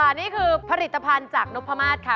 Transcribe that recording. เอาล่ะนี่คือผลิตภัณฑ์จากนกพรมาศค่ะ